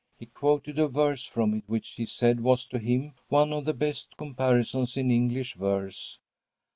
He quoted a verse from it which he said was, to him, one of the best comparisons in English verse.